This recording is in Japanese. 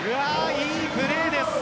いいプレーです。